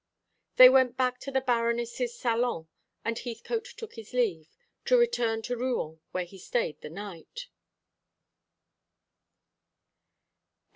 They went back to the Baroness's salon, and Heathcote took his leave, to return to Rouen, where he stayed the night.